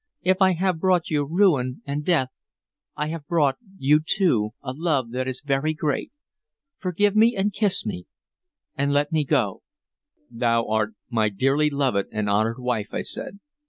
If I have brought you ruin and death, I have brought you, too, a love that is very great. Forgive me and kiss me, and let me go." "Thou art my dearly loved and honored wife," I said.